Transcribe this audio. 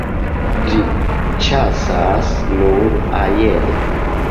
Ĝi ĉasas nur aere.